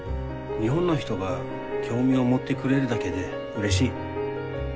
日本の人が興味を持ってくれるだけでうれしい。